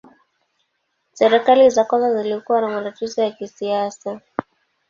Serikali za kwanza zilikuwa na matatizo ya kisiasa.